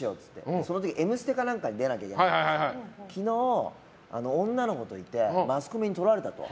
その時「Ｍステ」に出なきゃいけなくて昨日、女の子といてマスコミに撮られたと。